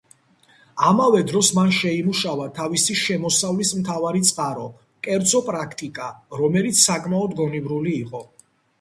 ამავე დროს მან შეიმუშავა თავისი შემოსავლის მთავარი წყარო, კერძო პრაქტიკა, რომელიც საკმაოდ გონივრული იყო.